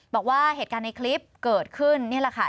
บอกว่าเหตุการณ์ในคลิปเกิดขึ้นนี่แหละค่ะ